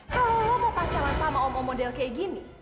kalau lo mau pacaran sama om omo model kayak gini